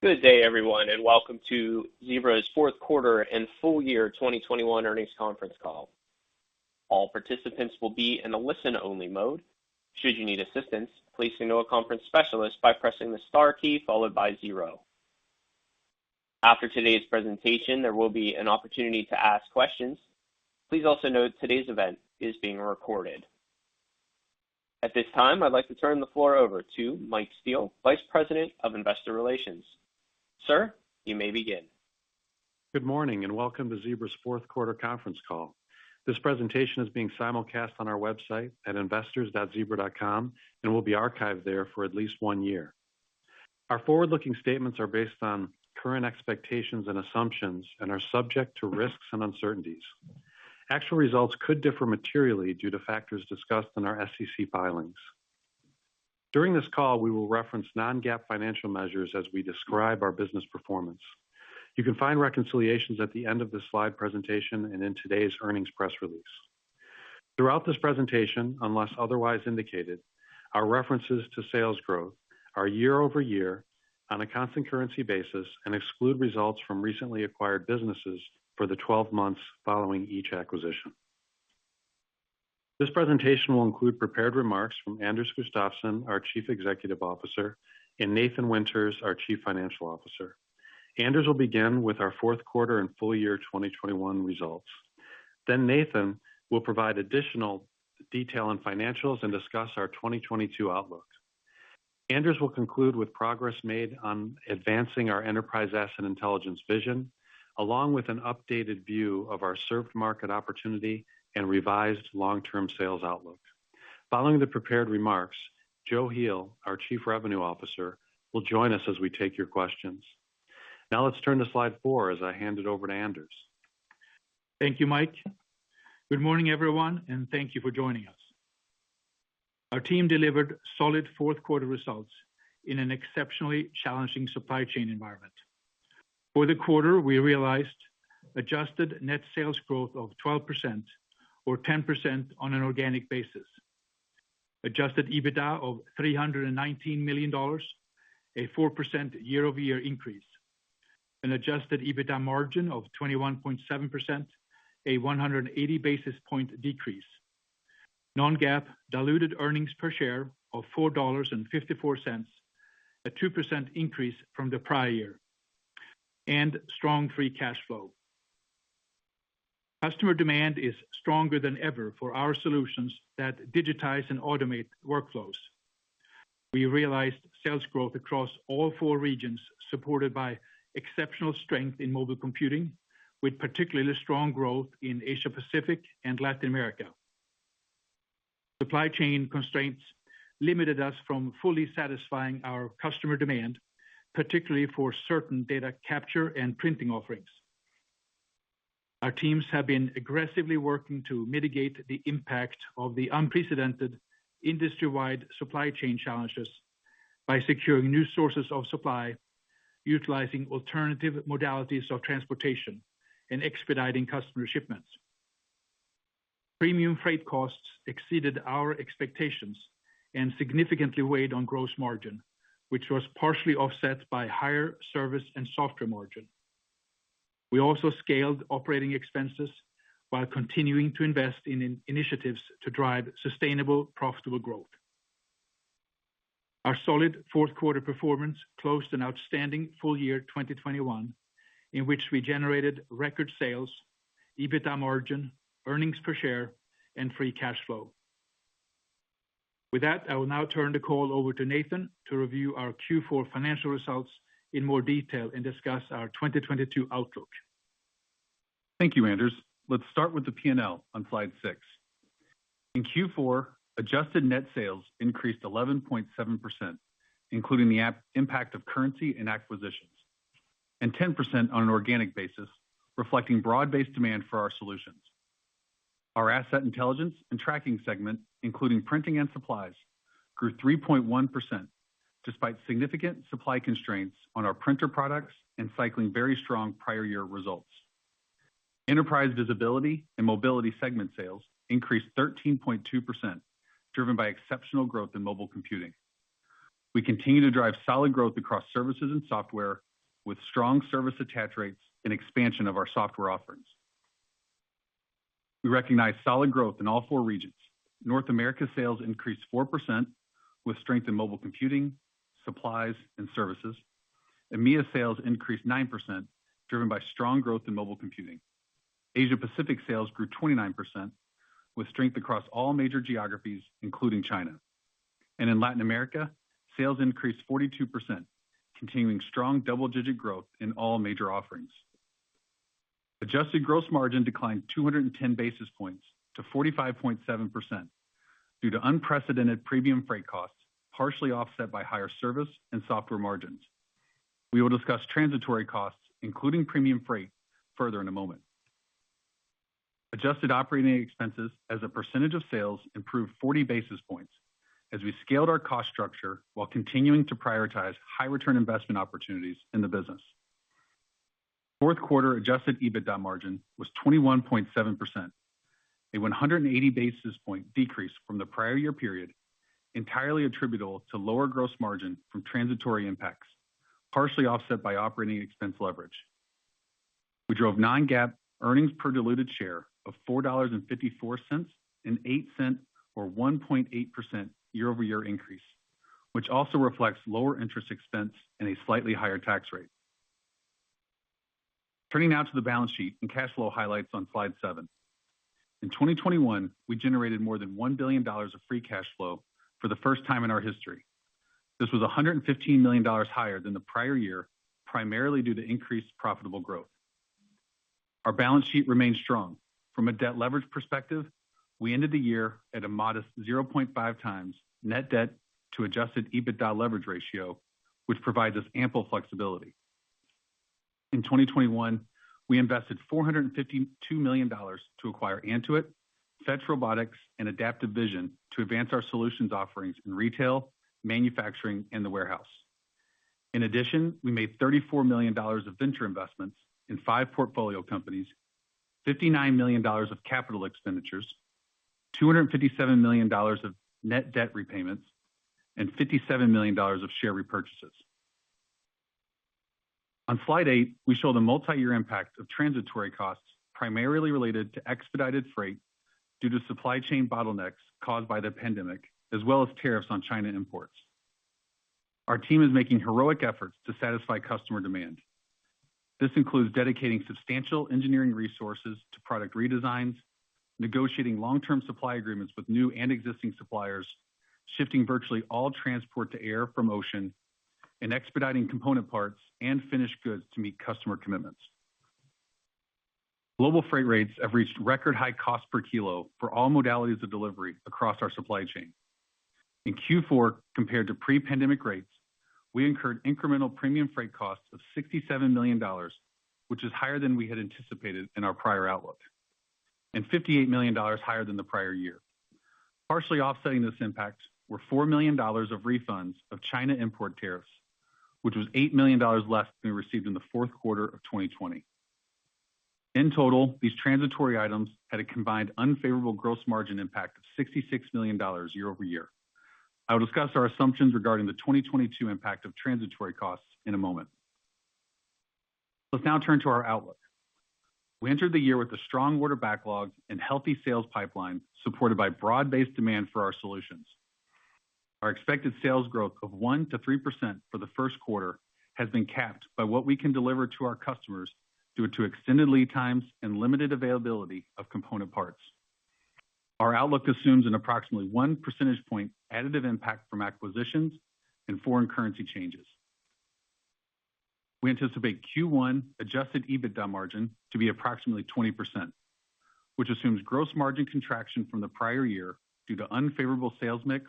Good day everyone, and welcome to Zebra's fourth quarter and full year 2021 earnings conference call. All participants will be in a listen only mode. Should you need assistance, please signal a conference specialist by pressing the star key followed by zero. After today's presentation, there will be an opportunity to ask questions. Please also note today's event is being recorded. At this time, I'd like to turn the floor over to Michael Steele, Vice President of Investor Relations. Sir, you may begin. Good morning and welcome to Zebra's fourth quarter conference call. This presentation is being simulcast on our website at investors.zebra.com and will be archived there for at least one year. Our forward-looking statements are based on current expectations and assumptions and are subject to risks and uncertainties. Actual results could differ materially due to factors discussed in our SEC filings. During this call, we will reference non-GAAP financial measures as we describe our business performance. You can find reconciliations at the end of this slide presentation and in today's earnings press release. Throughout this presentation, unless otherwise indicated, our references to sales growth are year-over-year on a constant currency basis and exclude results from recently acquired businesses for the 12 months following each acquisition. This presentation will include prepared remarks from Anders Gustafsson, our Chief Executive Officer, and Nathan Winters, our Chief Financial Officer. Anders will begin with our fourth quarter and full year 2021 results. Nathan will provide additional detail on financials and discuss our 2022 outlook. Anders will conclude with progress made on advancing our Enterprise Asset Intelligence vision, along with an updated view of our served market opportunity and revised long term sales outlook. Following the prepared remarks, Joe Heel, our Chief Revenue Officer, will join us as we take your questions. Now let's turn to slide four as I hand it over to Anders. Thank you, Michael. Good morning, everyone, and thank you for joining us. Our team delivered solid fourth quarter results in an exceptionally challenging supply chain environment. For the quarter, we realized adjusted net sales growth of 12% or 10% on an organic basis, adjusted EBITDA of $319 million, a 4% year-over-year increase, an adjusted EBITDA margin of 21.7%, a 180 basis point decrease, non-GAAP diluted earnings per share of $4.54, a 2% increase from the prior year, and strong free cash flow. Customer demand is stronger than ever for our solutions that digitize and automate workflows. We realized sales growth across all four regions, supported by exceptional strength in mobile computing, with particularly strong growth in Asia Pacific and Latin America. Supply chain constraints limited us from fully satisfying our customer demand, particularly for certain data capture and printing offerings. Our teams have been aggressively working to mitigate the impact of the unprecedented industry-wide supply chain challenges by securing new sources of supply, utilizing alternative modalities of transportation, and expediting customer shipments. Premium freight costs exceeded our expectations and significantly weighed on gross margin, which was partially offset by higher service and software margin. We also scaled operating expenses while continuing to invest in initiatives to drive sustainable, profitable growth. Our solid fourth quarter performance closed an outstanding full year 2021, in which we generated record sales, EBITDA margin, earnings per share, and free cash flow. With that, I will now turn the call over to Nathan to review our Q4 financial results in more detail and discuss our 2022 outlook. Thank you, Anders. Let's start with the P&L on slide six. In Q4, adjusted net sales increased 11.7%, including the app impact of currency and acquisitions, and 10% on an organic basis, reflecting broad-based demand for our solutions. Our Asset Intelligence and Tracking segment, including printing and supplies, grew 3.1% despite significant supply constraints on our printer products and cycling very strong prior year results. Enterprise Visibility and Mobility segment sales increased 13.2%, driven by exceptional growth in mobile computing. We continue to drive solid growth across services and software with strong service attach rates and expansion of our software offerings. We recognize solid growth in all four regions. North America sales increased 4% with strength in mobile computing, supplies, and services. EMEIA sales increased 9%, driven by strong growth in mobile computing. Asia Pacific sales grew 29% with strength across all major geographies, including China. In Latin America, sales increased 42%, continuing strong double-digit growth in all major offerings. Adjusted gross margin declined 210 basis points to 45.7% due to unprecedented premium freight costs, partially offset by higher service and software margins. We will discuss transitory costs, including premium freight, further in a moment. Adjusted operating expenses as a percentage of sales improved 40 basis points as we scaled our cost structure while continuing to prioritize high return investment opportunities in the business. Fourth quarter adjusted EBITDA margin was 21.7%. A 180 basis point decrease from the prior year period, entirely attributable to lower gross margin from transitory impacts, partially offset by operating expense leverage. We drove non-GAAP earnings per diluted share of $4.54, an $0.08 or 1.8% year-over-year increase, which also reflects lower interest expense and a slightly higher tax rate. Turning now to the balance sheet and cash flow highlights on slide seven. In 2021, we generated more than $1 billion of free cash flow for the first time in our history. This was $115 million higher than the prior year, primarily due to increased profitable growth. Our balance sheet remains strong. From a debt leverage perspective, we ended the year at a modest 0.5x net debt to adjusted EBITDA leverage ratio, which provides us ample flexibility. In 2021, we invested $452 million to acquire antuit.ai, Fetch Robotics, and Adaptive Vision to advance our solutions offerings in retail, manufacturing, and the warehouse. In addition, we made $34 million of venture investments in five portfolio companies, $59 million of capital expenditures, $257 million of net debt repayments, and $57 million of share repurchases. On slide eight, we show the multi-year impact of transitory costs, primarily related to expedited freight due to supply chain bottlenecks caused by the pandemic, as well as tariffs on China imports. Our team is making heroic efforts to satisfy customer demand. This includes dedicating substantial engineering resources to product redesigns, negotiating long-term supply agreements with new and existing suppliers, shifting virtually all transport to air from ocean, and expediting component parts and finished goods to meet customer commitments. Global freight rates have reached record high cost per kilo for all modalities of delivery across our supply chain. In Q4, compared to pre-pandemic rates, we incurred incremental premium freight costs of $67 million, which is higher than we had anticipated in our prior outlook, and $58 million higher than the prior year. Partially offsetting this impact were $4 million of refunds of China import tariffs, which was $8 million less than we received in the fourth quarter of 2020. In total, these transitory items had a combined unfavorable gross margin impact of $66 million year-over-year. I will discuss our assumptions regarding the 2022 impact of transitory costs in a moment. Let's now turn to our outlook. We entered the year with a strong order backlog and healthy sales pipeline, supported by broad-based demand for our solutions. Our expected sales growth of 1%-3% for the first quarter has been capped by what we can deliver to our customers due to extended lead times and limited availability of component parts. Our outlook assumes an approximately 1 percentage point additive impact from acquisitions and foreign currency changes. We anticipate Q1 adjusted EBITDA margin to be approximately 20%, which assumes gross margin contraction from the prior year due to unfavorable sales mix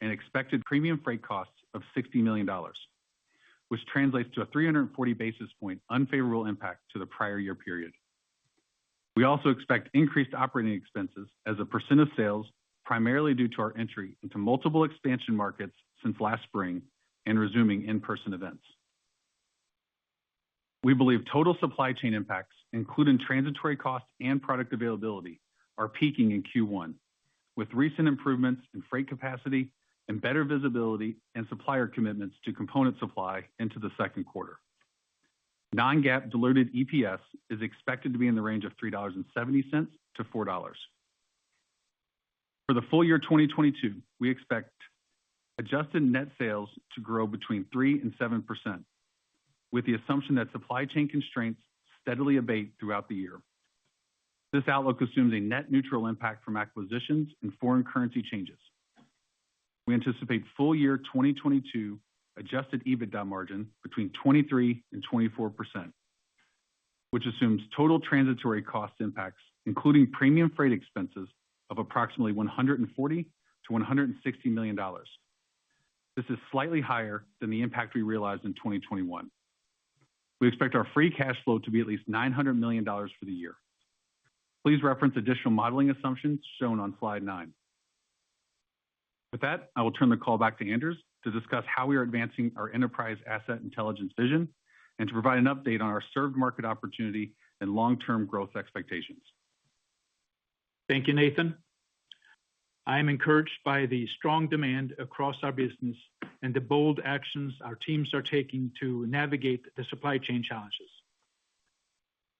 and expected premium freight costs of $60 million, which translates to a 340 basis point unfavorable impact to the prior year period. We also expect increased operating expenses as a percent of sales, primarily due to our entry into multiple expansion markets since last spring and resuming in-person events. We believe total supply chain impacts, including transitory costs and product availability, are peaking in Q1, with recent improvements in freight capacity and better visibility and supplier commitments to component supply into the second quarter. Non-GAAP diluted EPS is expected to be in the range of $3.70-$4.00. For the full year 2022, we expect adjusted net sales to grow between 3%-7%, with the assumption that supply chain constraints steadily abate throughout the year. This outlook assumes a net neutral impact from acquisitions and foreign currency changes. We anticipate full year 2022 adjusted EBITDA margin between 23%-24%, which assumes total transitory cost impacts, including premium freight expenses of approximately $140 million-$160 million. This is slightly higher than the impact we realized in 2021. We expect our free cash flow to be at least $900 million for the year. Please reference additional modeling assumptions shown on slide nine. With that, I will turn the call back to Anders to discuss how we are advancing our Enterprise Asset Intelligence vision and to provide an update on our served market opportunity and long-term growth expectations. Thank you, Nathan. I am encouraged by the strong demand across our business and the bold actions our teams are taking to navigate the supply chain challenges.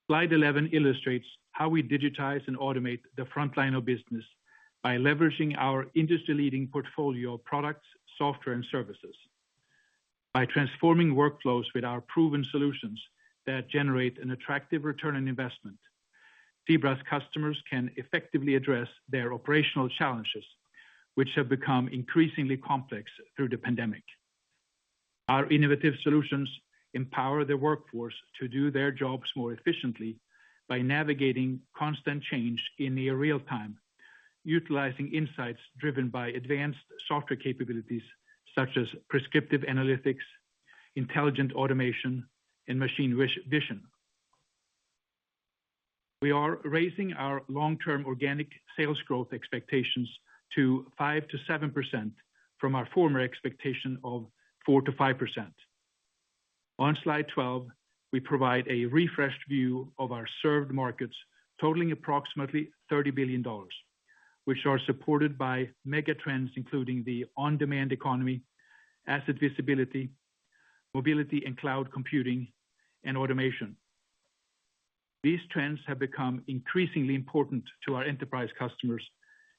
Slide 11 illustrates how we digitize and automate the frontline of business by leveraging our industry-leading portfolio of products, software, and services. By transforming workflows with our proven solutions that generate an attractive return on investment, Zebra's customers can effectively address their operational challenges, which have become increasingly complex through the pandemic. Our innovative solutions empower the workforce to do their jobs more efficiently by navigating constant change in near real time, utilizing insights driven by advanced software capabilities such as prescriptive analytics, intelligent automation, and machine vision. We are raising our long-term organic sales growth expectations to 5%-7% from our former expectation of 4%-5%. On slide 12, we provide a refreshed view of our served markets totaling approximately $30 billion, which are supported by mega trends including the on-demand economy, asset visibility, mobility and cloud computing, and automation. These trends have become increasingly important to our enterprise customers,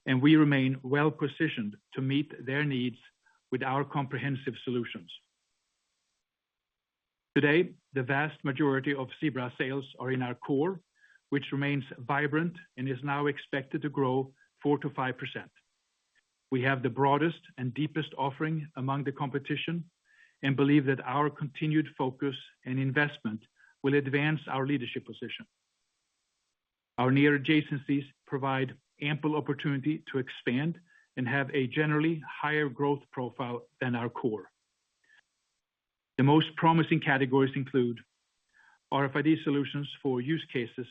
and we remain well-positioned to meet their needs with our comprehensive solutions. Today, the vast majority of Zebra sales are in our core, which remains vibrant and is now expected to grow 4%-5%. We have the broadest and deepest offering among the competition and believe that our continued focus and investment will advance our leadership position. Our near adjacencies provide ample opportunity to expand and have a generally higher growth profile than our core. The most promising categories include RFID solutions for use cases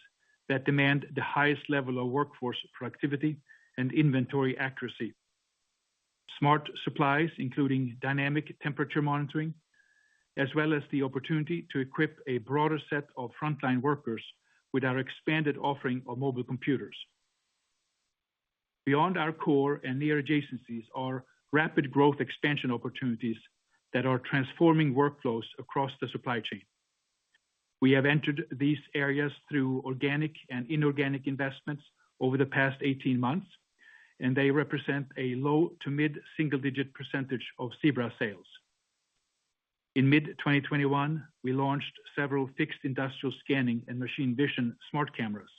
that demand the highest level of workforce productivity and inventory accuracy, smart supplies, including dynamic temperature monitoring, as well as the opportunity to equip a broader set of frontline workers with our expanded offering of mobile computers. Beyond our core and near adjacencies are rapid growth expansion opportunities that are transforming workflows across the supply chain. We have entered these areas through organic and inorganic investments over the past 18 months, and they represent a low- to mid-single-digit percentage of Zebra sales. In mid-2021, we launched several fixed industrial scanning and machine vision smart cameras.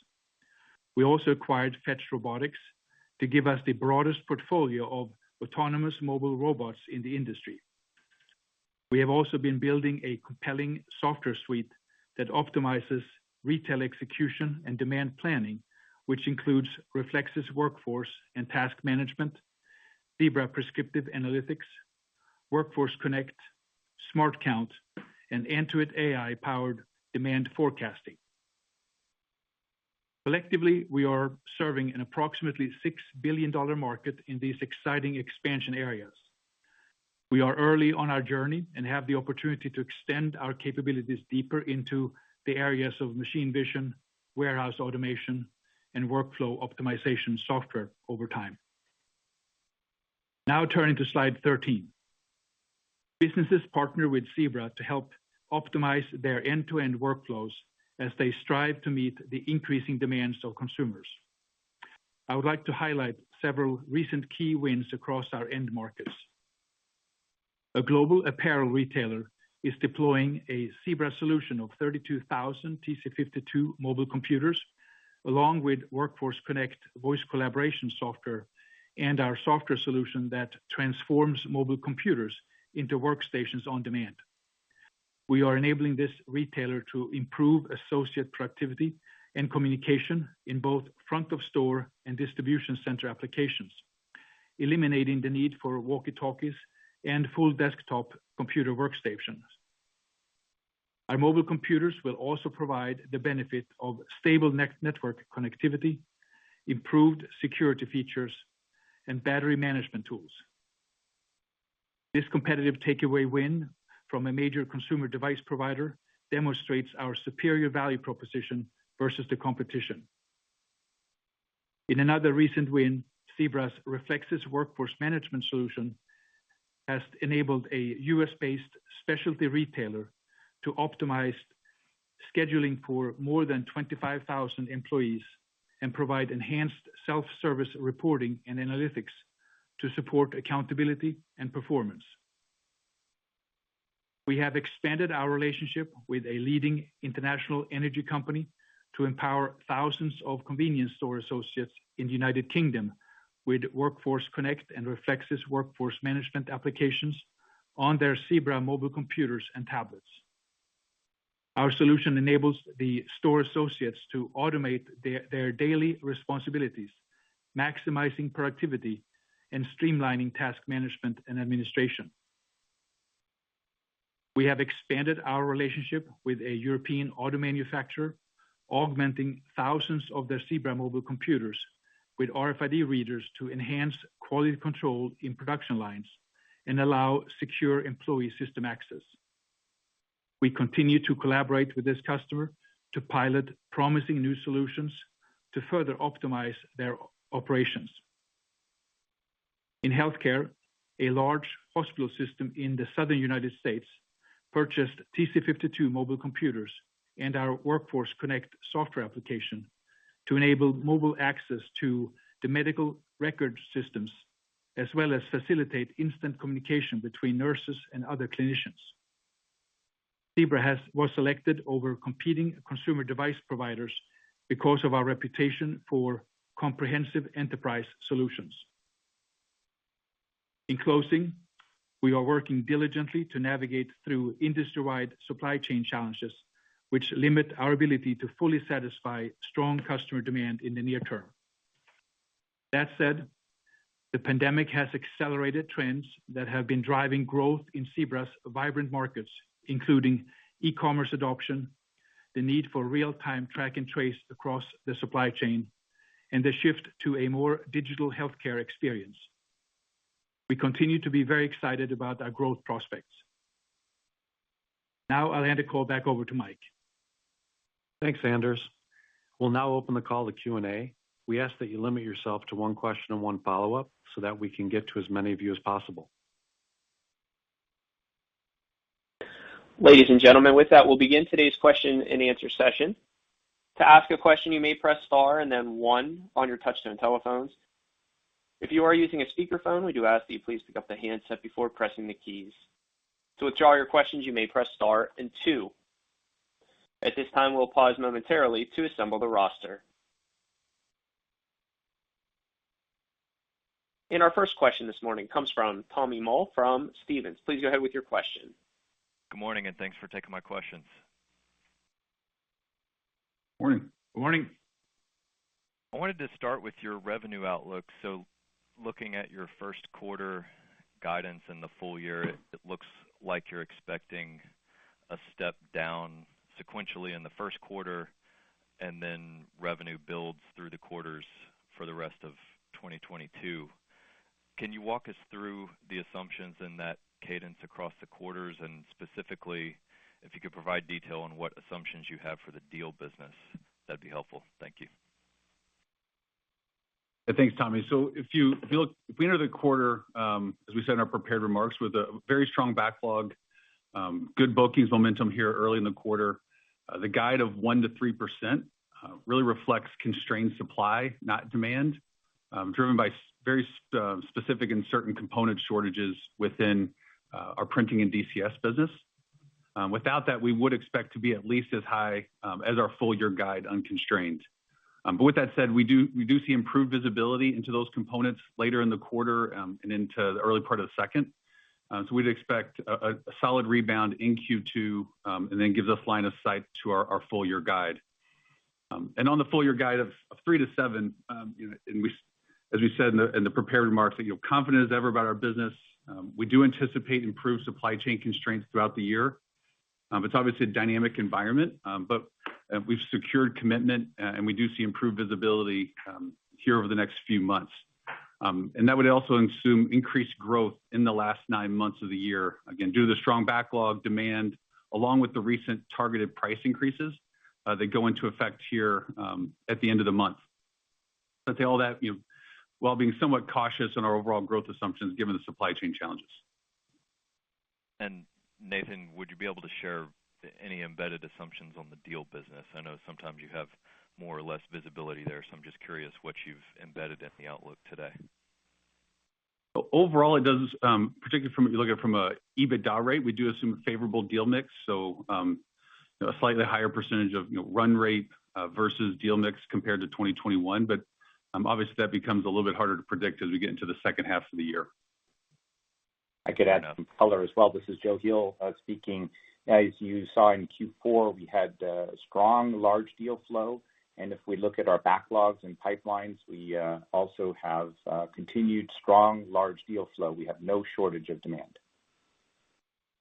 We also acquired Fetch Robotics to give us the broadest portfolio of autonomous mobile robots in the industry. We have also been building a compelling software suite that optimizes retail execution and demand planning, which includes Reflexis Workforce and Task Management, Zebra Prescriptive Analytics, Workforce Connect, SmartCount, and antuit.ai AI-powered demand forecasting. Collectively, we are serving an approximately $6 billion market in these exciting expansion areas. We are early on our journey and have the opportunity to extend our capabilities deeper into the areas of machine vision, warehouse automation, and workflow optimization software over time. Now turning to slide 13. Businesses partner with Zebra to help optimize their end-to-end workflows as they strive to meet the increasing demands of consumers. I would like to highlight several recent key wins across our end markets. A global apparel retailer is deploying a Zebra solution of 32,000 TC52 mobile computers along with Workforce Connect voice collaboration software and our software solution that transforms mobile computers into workstations on demand. We are enabling this retailer to improve associate productivity and communication in both front of store and distribution center applications, eliminating the need for walkie-talkies and full desktop computer workstations. Our mobile computers will also provide the benefit of stable next network connectivity, improved security features, and battery management tools. This competitive takeaway win from a major consumer device provider demonstrates our superior value proposition versus the competition. In another recent win, Zebra's Reflexis Workforce Management solution has enabled a U.S.-based specialty retailer to optimize scheduling for more than 25,000 employees and provide enhanced self-service reporting and analytics to support accountability and performance. We have expanded our relationship with a leading international energy company to empower thousands of convenience store associates in the United Kingdom with Workforce Connect and Reflexis Workforce Management applications on their Zebra mobile computers and tablets. Our solution enables the store associates to automate their daily responsibilities, maximizing productivity, and streamlining task management and administration. We have expanded our relationship with a European auto manufacturer, augmenting thousands of their Zebra mobile computers with RFID readers to enhance quality control in production lines and allow secure employee system access. We continue to collaborate with this customer to pilot promising new solutions to further optimize their operations. In healthcare, a large hospital system in the Southern United States purchased TC52 mobile computers and our Workforce Connect software application to enable mobile access to the medical record systems, as well as facilitate instant communication between nurses and other clinicians. Zebra was selected over competing consumer device providers because of our reputation for comprehensive enterprise solutions. In closing, we are working diligently to navigate through industry-wide supply chain challenges, which limit our ability to fully satisfy strong customer demand in the near term. That said, the pandemic has accelerated trends that have been driving growth in Zebra's vibrant markets, including e-commerce adoption, the need for real-time track and trace across the supply chain, and the shift to a more digital healthcare experience. We continue to be very excited about our growth prospects. Now I'll hand the call back over to Michael. Thanks, Anders. We'll now open the call to Q&A. We ask that you limit yourself to one question and one follow-up so that we can get to as many of you as possible. Ladies and gentlemen, with that, we'll begin today's question and answer session. To ask a question, you may press star and then one on your touch-tone telephones. If you are using a speakerphone, we do ask that you please pick up the handset before pressing the keys. To withdraw your questions, you may press star and two. At this time, we'll pause momentarily to assemble the roster. Our first question this morning comes from Tommy Moll from Stephens. Please go ahead with your question. Good morning, and thanks for taking my questions. Morning. Morning. I wanted to start with your revenue outlook. Looking at your first quarter guidance in the full year, it looks like you're expecting a step down sequentially in the first quarter and then revenue builds through the quarters for the rest of 2022. Can you walk us through the assumptions in that cadence across the quarters? Specifically, if you could provide detail on what assumptions you have for the deal business, that'd be helpful. Thank you. Thanks, Tommy. If we enter the quarter, as we said in our prepared remarks, with a very strong backlog, good bookings momentum here early in the quarter, the guide of 1%-3% really reflects constrained supply, not demand, driven by very specific and certain component shortages within our printing and DCS business. Without that, we would expect to be at least as high as our full year guide unconstrained. With that said, we see improved visibility into those components later in the quarter and into the early part of the second. We'd expect a solid rebound in Q2, and then gives us line of sight to our full year guide. On the full year guide of 3%-7%, you know, and we, as we said in the prepared remarks, that we're confident as ever about our business. We do anticipate improved supply chain constraints throughout the year. It's obviously a dynamic environment, but we've secured commitment, and we do see improved visibility here over the next few months. And that would also assume increased growth in the last nine months of the year. Again, due to the strong backlog demand, along with the recent targeted price increases that go into effect here at the end of the month. To all that, you know, while being somewhat cautious in our overall growth assumptions, given the supply chain challenges. Nathan, would you be able to share any embedded assumptions on the deal business? I know sometimes you have more or less visibility there, so I'm just curious what you've embedded in the outlook today. Overall, it does, particularly if you look at it from an EBITDA rate. We do assume favorable deal mix, so a slightly higher percentage of, you know, run rate versus deal mix compared to 2021. Obviously, that becomes a little bit harder to predict as we get into the second half of the year. I could add some color as well. This is Joe Heel speaking. As you saw in Q4, we had a strong large deal flow. If we look at our backlogs and pipelines, we also have continued strong large deal flow. We have no shortage of demand.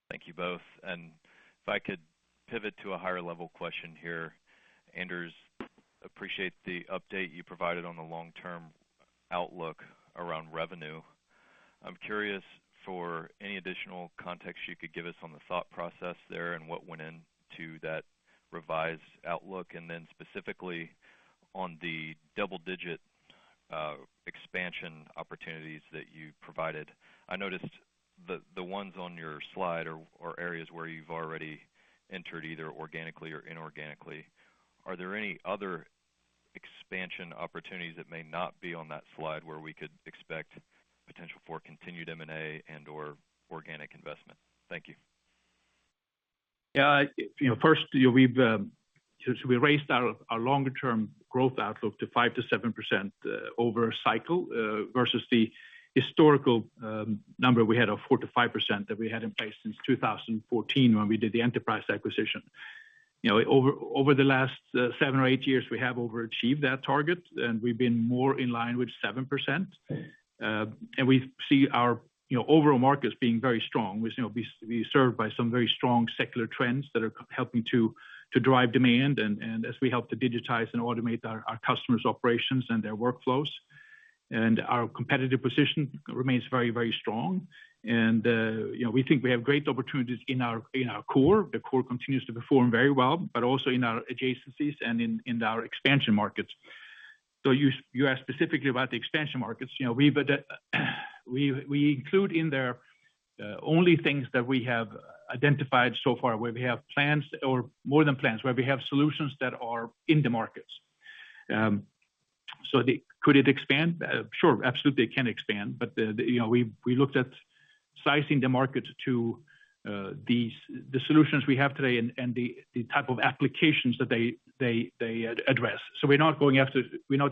Thank you both. If I could pivot to a higher level question here. Anders, I appreciate the update you provided on the long-term outlook around revenue. I'm curious for any additional context you could give us on the thought process there and what went into that revised outlook. Then specifically on the double-digit expansion opportunities that you provided. I noticed the ones on your slide are areas where you've already entered either organically or inorganically. Are there any other expansion opportunities that may not be on that slide where we could expect potential for continued M&A and/or organic investment? Thank you. Yeah. You know, first, you know, we've so we raised our longer term growth outlook to 5%-7% over cycle versus the historical number we had of 4%-5% that we had in place since 2014 when we did the Enterprise acquisition. You know, over the last 7 or 8 years, we have overachieved that target, and we've been more in line with 7%. We see our, you know, overall markets being very strong. We, you know, we are served by some very strong secular trends that are helping to drive demand and as we help to digitize and automate our customers' operations and their workflows. Our competitive position remains very strong. You know, we think we have great opportunities in our core. The core continues to perform very well, but also in our adjacencies and in our expansion markets. You asked specifically about the expansion markets. We include in there only things that we have identified so far, where we have plans or more than plans, where we have solutions that are in the markets. Could it expand? Sure, absolutely, it can expand. We looked at sizing the market to the solutions we have today and the type of applications that they address. We're not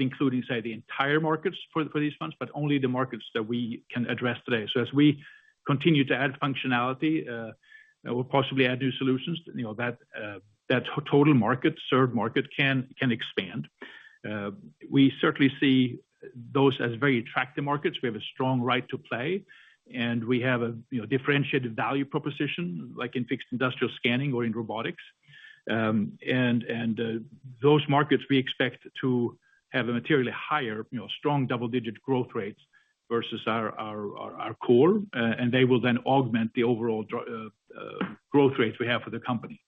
including, say, the entire markets for these funds, but only the markets that we can address today. As we continue to add functionality, we'll possibly add new solutions, you know, that total market, served market can expand. We certainly see those as very attractive markets. We have a strong right to play, and we have a, you know, differentiated value proposition, like in fixed industrial scanning or in robotics. Those markets we expect to have a materially higher, you know, strong double-digit growth rates versus our core. They will then augment the overall growth rates we have for the company.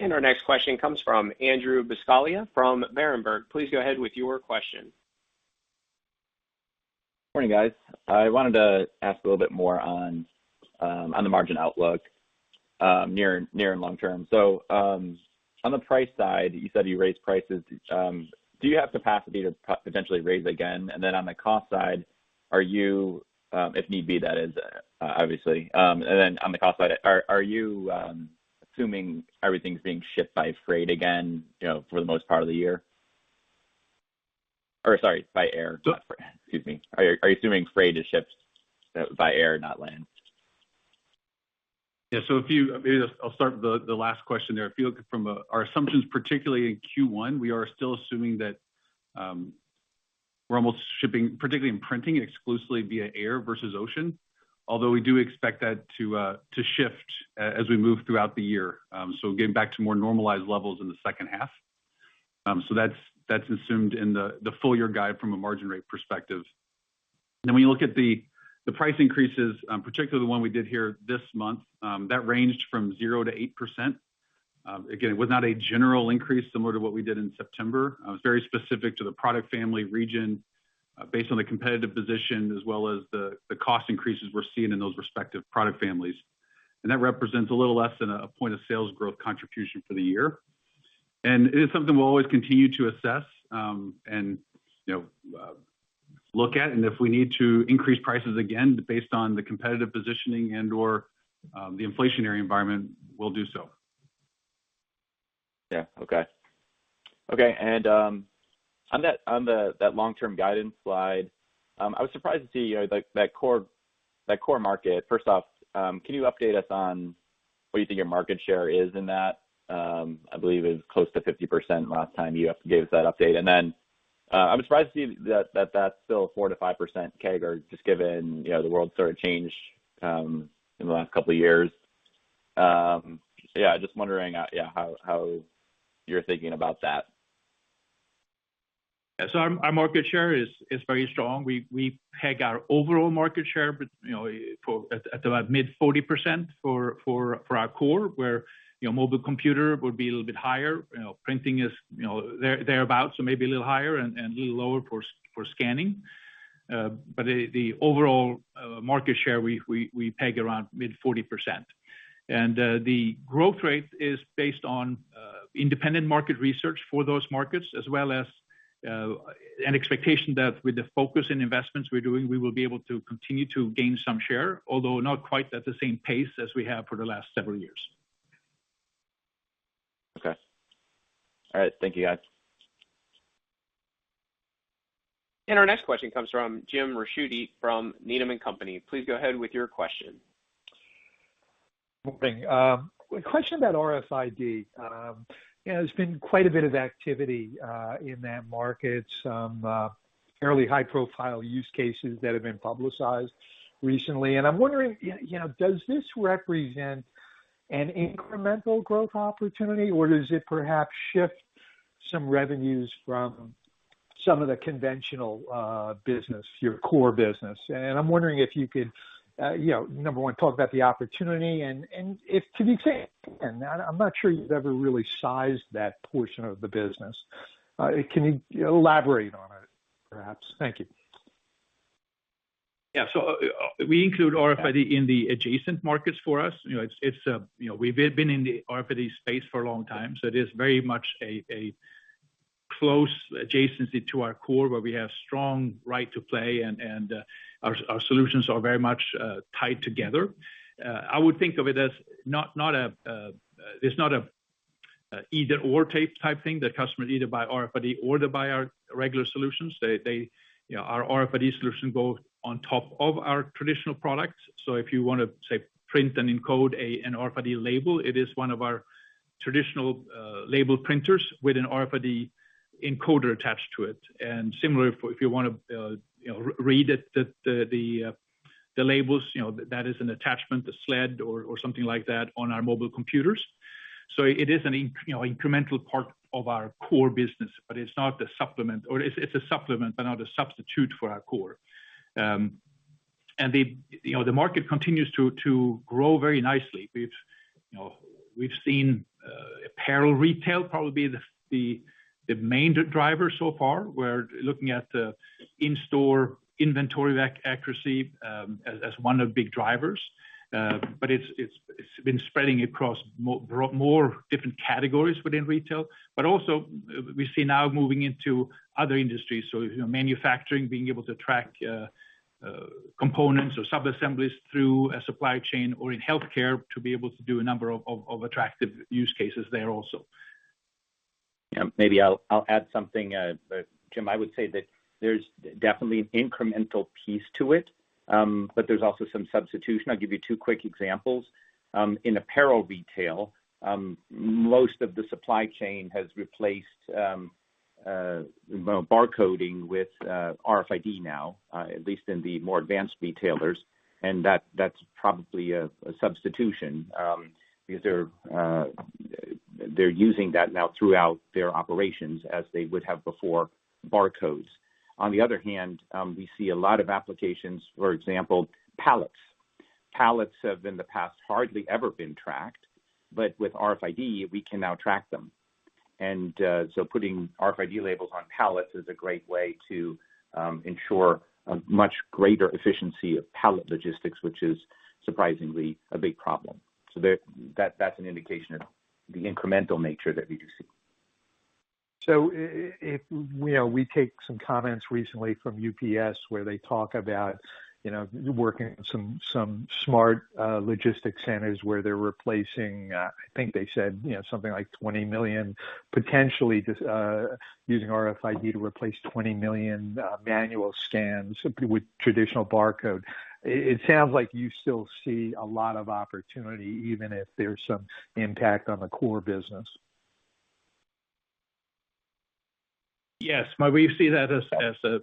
Our next question comes from Andrew Buscaglia from Berenberg. Please go ahead with your question. Morning, guys. I wanted to ask a little bit more on the margin outlook, near and long term. On the price side, you said you raised prices. Do you have capacity to potentially raise again? On the cost side, are you assuming everything's being shipped by freight again, you know, for the most part of the year? Or sorry, by air, not freight. Excuse me. Are you assuming freight is shipped by air, not land? Maybe I'll start with the last question there. If you look at our assumptions, particularly in Q1, we are still assuming that we're almost shipping, particularly in printing, exclusively via air versus ocean. Although we do expect that to shift as we move throughout the year, getting back to more normalized levels in the second half. That's assumed in the full year guide from a margin rate perspective. Then when you look at the price increases, particularly the one we did here this month, that ranged from 0%-8%. Again, it was not a general increase similar to what we did in September. It was very specific to the product family region, based on the competitive position as well as the cost increases we're seeing in those respective product families. That represents a little less than a point of sales growth contribution for the year. It is something we'll always continue to assess and look at. If we need to increase prices again based on the competitive positioning and/or the inflationary environment, we'll do so. Okay. On that long-term guidance slide, I was surprised to see, you know, like that core market. First off, can you update us on what you think your market share is in that? I believe it was close to 50% last time you gave us that update. Then, I was surprised to see that that's still 4%-5% CAGR, just given, you know, the world sort of changed in the last couple of years. Yeah, just wondering how you're thinking about that. Our market share is very strong. We peg our overall market share, but you know, at about mid-40% for our core. Where you know, mobile computer would be a little bit higher. You know, printing is you know, thereabout, so maybe a little higher and a little lower for scanning. But the overall market share, we peg around mid-40%. The growth rate is based on independent market research for those markets, as well as an expectation that with the focus in investments we're doing, we will be able to continue to gain some share, although not quite at the same pace as we have for the last several years. Okay. All right. Thank you, guys. Our next question comes from James Ricchiuti from Needham & Company. Please go ahead with your question. Morning. A question about RFID. You know, there's been quite a bit of activity in that market. Some fairly high-profile use cases that have been publicized recently. I'm wondering, you know, does this represent an incremental growth opportunity, or does it perhaps shift some revenues from some of the conventional business, your core business? I'm wondering if you could, you know, number one, talk about the opportunity. I'm not sure you've ever really sized that portion of the business. Can you elaborate on it, perhaps? Thank you. Yeah. We include RFID in the adjacent markets for us. You know, it's you know, we've been in the RFID space for a long time, so it is very much a close adjacency to our core, where we have strong right to play and our solutions are very much tied together. I would think of it as it's not a either/or type thing that customers either buy RFID or they buy our regular solutions. They you know, our RFID solution goes on top of our traditional products. If you wanna say, print and encode an RFID label, it is one of our traditional label printers with an RFID encoder attached to it. Similarly, if you wanna, you know, read it, the labels, you know, that is an attachment, a sled or something like that on our mobile computers. It is an incremental part of our core business, but it's not a supplement. It's a supplement, but not a substitute for our core. You know, the market continues to grow very nicely. We've, you know, seen apparel retail probably the main driver so far. We're looking at the in-store inventory accuracy as one of the big drivers. It's been spreading across more different categories within retail. We see now moving into other industries. You know, manufacturing, being able to track components or sub-assemblies through a supply chain or in healthcare to be able to do a number of attractive use cases there also. Yeah, maybe I'll add something. James, I would say that there's definitely an incremental piece to it, but there's also some substitution. I'll give you two quick examples. In apparel retail, most of the supply chain has replaced barcoding with RFID now, at least in the more advanced retailers, and that's probably a substitution, because they're using that now throughout their operations as they would have before barcodes. On the other hand, we see a lot of applications, for example, pallets. Pallets have in the past hardly ever been tracked, but with RFID, we can now track them. Putting RFID labels on pallets is a great way to ensure a much greater efficiency of pallet logistics, which is surprisingly a big problem. There. That's an indication of the incremental nature that we do see. If, you know, we take some comments recently from UPS where they talk about, you know, working some smart logistics centers where they're replacing, I think they said, you know, something like 20 million, potentially just using RFID to replace 20 million manual scans with traditional barcode. It sounds like you still see a lot of opportunity, even if there's some impact on the core business. Yes. Well, we see that as a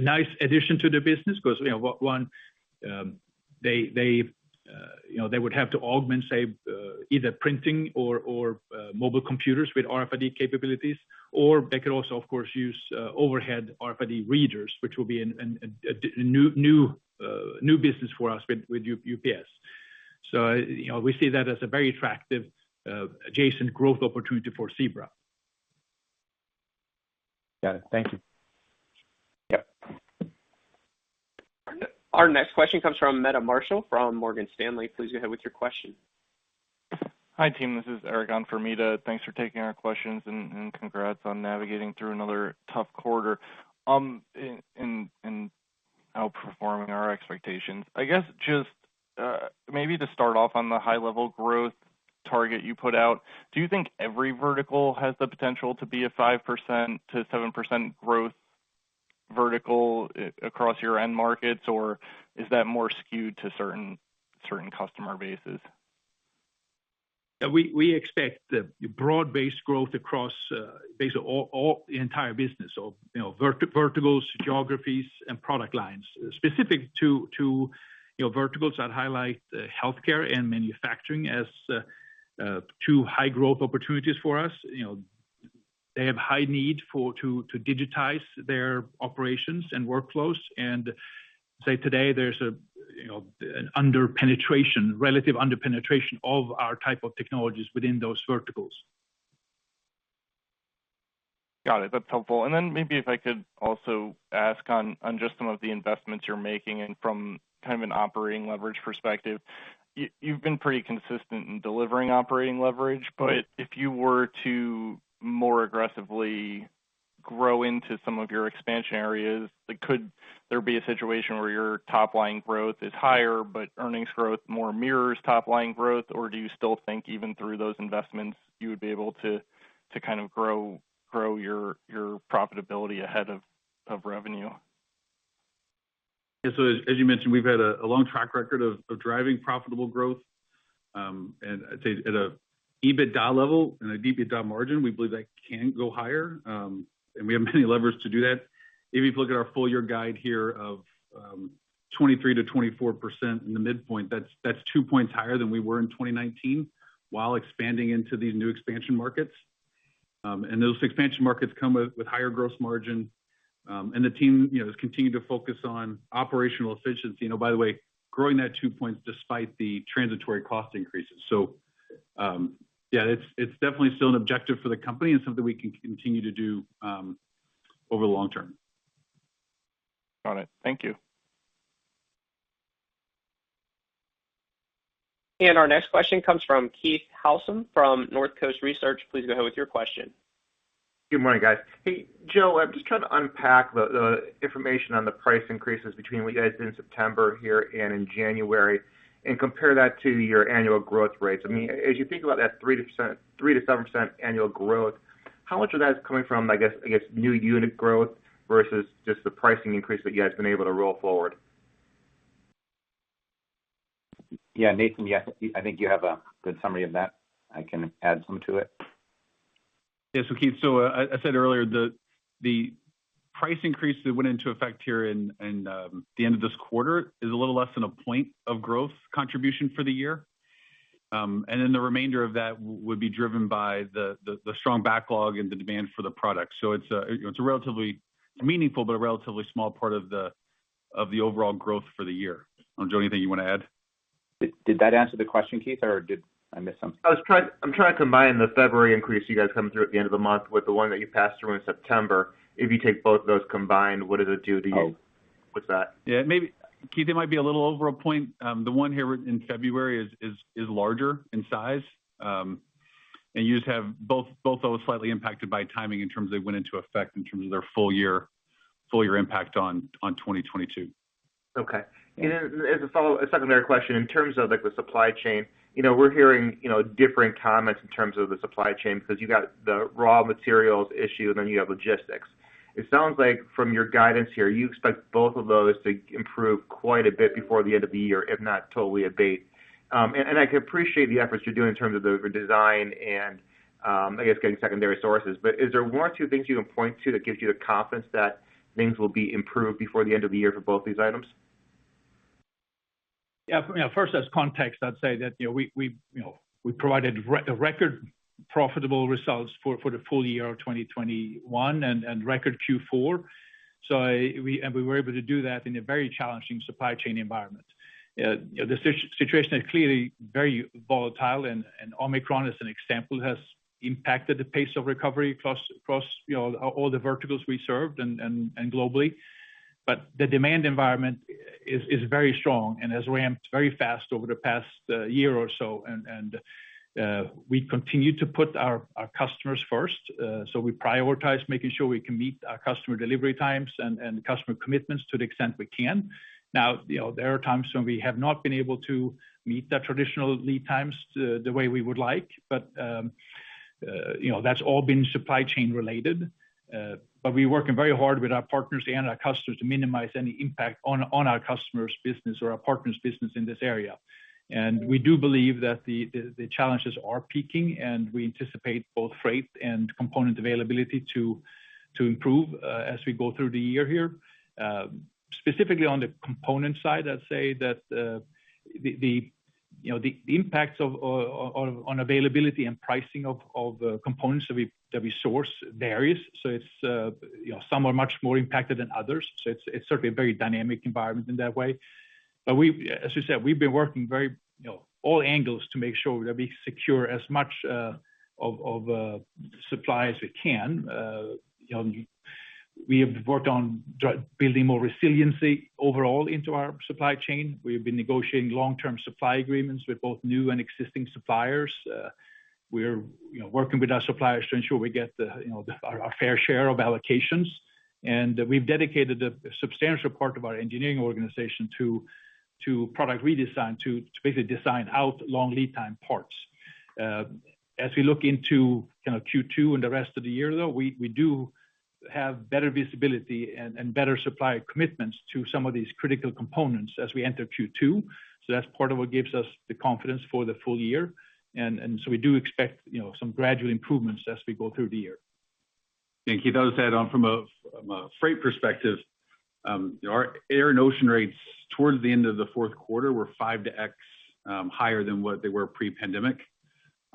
nice addition to the business 'cause one they would have to augment say either printing or mobile computers with RFID capabilities or they could also of course use overhead RFID readers which will be a new business for us with UPS. So you know we see that as a very attractive adjacent growth opportunity for Zebra. Got it. Thank you. Yep. Our next question comes from Meta Marshall from Morgan Stanley. Please go ahead with your question. Hi, team. This is Erik on for Meta Marshall. Thanks for taking our questions and congrats on navigating through another tough quarter and outperforming our expectations. I guess just maybe to start off on the high level growth target you put out, do you think every vertical has the potential to be a 5%-7% growth vertical across your end markets, or is that more skewed to certain customer bases? We expect the broad-based growth across basically all the entire business. You know, verticals, geographies, and product lines. Specific to you know, verticals, I'd highlight healthcare and manufacturing as two high growth opportunities for us. You know, they have high need to digitize their operations and workflows. Say, today, there's you know, an under-penetration, relative under-penetration of our type of technologies within those verticals. Got it. That's helpful. Maybe if I could also ask on just some of the investments you're making and from kind of an operating leverage perspective, you've been pretty consistent in delivering operating leverage, but if you were to more aggressively grow into some of your expansion areas, could there be a situation where your top line growth is higher, but earnings growth more mirrors top line growth? Or do you still think even through those investments, you would be able to kind of grow your profitability ahead of revenue? Yeah. As you mentioned, we've had a long track record of driving profitable growth, and I'd say at a EBITDA level and a EBITDA margin, we believe that can go higher, and we have many levers to do that. If you look at our full year guide here of 23%-24% in the midpoint, that's 2 points higher than we were in 2019 while expanding into these new expansion markets. And those expansion markets come with higher gross margin, and the team, you know, has continued to focus on operational efficiency. You know, by the way, growing that 2 points despite the transitory cost increases. Yeah, it's definitely still an objective for the company and something we can continue to do over the long term. Got it. Thank you. Our next question comes from Keith Housum from Northcoast Research. Please go ahead with your question. Good morning, guys. Hey, Joe, I'm just trying to unpack the information on the price increases between what you guys did in September here and in January, and compare that to your annual growth rates. I mean, as you think about that 3%-7% annual growth, how much of that is coming from, I guess, new unit growth versus just the pricing increase that you guys have been able to roll forward? Yeah. Nathan, yeah, I think you have a good summary of that. I can add some to it. Yeah. Keith, I said earlier, the price increase that went into effect here in the end of this quarter is a little less than a point of growth contribution for the year. The remainder of that would be driven by the strong backlog and the demand for the product. It's, you know, a relatively meaningful, but a relatively small part of the overall growth for the year. Joe, anything you wanna add? Did that answer the question, Keith, or did I miss something? I'm trying to combine the February increase you guys come through at the end of the month with the one that you passed through in September. If you take both of those combined, what does it do to you? Oh. With that? Yeah. Maybe, Keith, it might be a little over a point. The one here in February is larger in size. You just have both those slightly impacted by timing in terms of when it went into effect in terms of their full year. Full-year impact on 2022. Okay. As a follow, a secondary question, in terms of like the supply chain, you know, we're hearing, you know, different comments in terms of the supply chain, 'cause you got the raw materials issue, then you have logistics. It sounds like from your guidance here, you expect both of those to improve quite a bit before the end of the year, if not totally abate. I can appreciate the efforts you're doing in terms of the redesign and, I guess, getting secondary sources. Is there one or two things you can point to that gives you the confidence that things will be improved before the end of the year for both these items? Yeah. First, as context, I'd say that, you know, we provided record profitable results for the full year of 2021 and record Q4. We were able to do that in a very challenging supply chain environment. The situation is clearly very volatile, and Omicron, as an example, has impacted the pace of recovery across, you know, all the verticals we served and globally. The demand environment is very strong and has ramped very fast over the past year or so. We continue to put our customers first, so we prioritize making sure we can meet our customer delivery times and customer commitments to the extent we can. Now, you know, there are times when we have not been able to meet the traditional lead times the way we would like. But, you know, that's all been supply chain related. But we're working very hard with our partners and our customers to minimize any impact on our customers' business or our partners' business in this area. We do believe that the challenges are peaking, and we anticipate both freight and component availability to improve as we go through the year here. Specifically on the component side, I'd say that the impact on availability and pricing of components that we source varies. It's, you know, some are much more impacted than others. It's certainly a very dynamic environment in that way. We've, as you said, been working very, you know, all angles to make sure that we secure as much of supply as we can. You know, we have worked on building more resiliency overall into our supply chain. We've been negotiating long-term supply agreements with both new and existing suppliers. We're, you know, working with our suppliers to ensure we get the, you know, our fair share of allocations. We've dedicated a substantial part of our engineering organization to product redesign, to basically design out long lead time parts. As we look into kind of Q2 and the rest of the year, though, we do have better visibility and better supply commitments to some of these critical components as we enter Q2. That's part of what gives us the confidence for the full year. We do expect, you know, some gradual improvements as we go through the year. Thank you. I'll just add on from a freight perspective. Our air and ocean rates towards the end of the fourth quarter were 5x higher than what they were pre-pandemic.